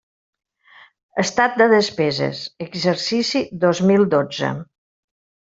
Estat de despeses: exercici dos mil dotze.